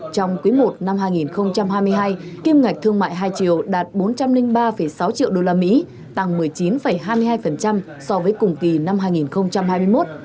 trong quý i năm hai nghìn hai mươi hai kim ngạch thương mại hai triệu đạt bốn trăm linh ba sáu triệu usd tăng một mươi chín hai mươi hai so với cùng kỳ năm hai nghìn hai mươi một